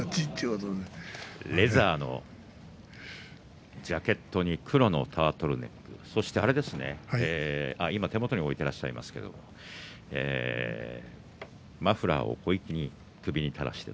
レーザーのジャケットに黒のタートルそして手元に置いていらっしゃいますけれどもマフラーを小粋に首に垂らして。